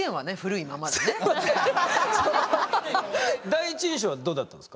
第一印象はどうだったんですか？